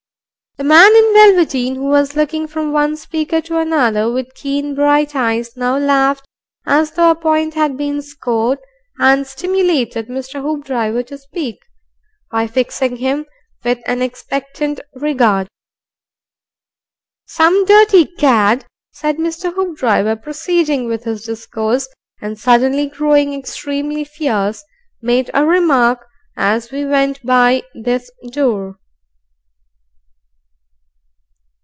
The man in velveteen, who was looking from one speaker to another with keen, bright eyes, now laughed as though a point had been scored, and stimulated Mr. Hoopdriver to speak, by fixing him with an expectant regard. "Some dirty cad," said Mr. Hoopdriver, proceeding with his discourse, and suddenly growing extremely fierce, "made a remark as we went by this door."